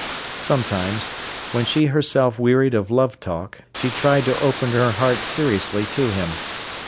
Sometimes, when she herself wearied of love talk, she tried to open her heart seriously to him.